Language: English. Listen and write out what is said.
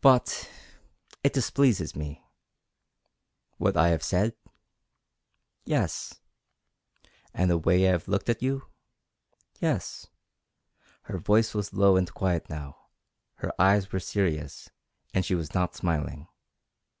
"But it displeases me." "What I have said?" "Yes." "And the way I have looked at you?" "Yes." Her voice was low and quiet now, her eyes were serious, and she was not smiling.